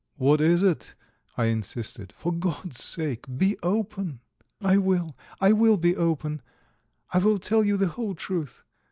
"What is it?" I insisted. "For God's sake, be open!" "I will, I will be open; I will tell you the whole truth.